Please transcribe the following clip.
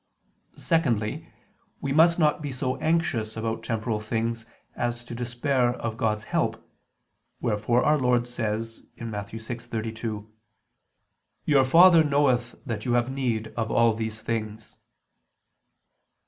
Secondly, we must not be so anxious about temporal things, as to despair of God's help: wherefore Our Lord says (Matt. 6:32): "Your Father knoweth that you have need of all these things."